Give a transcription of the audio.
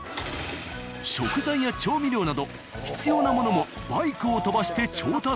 食材や調味料など必要なものもバイクを飛ばして調達。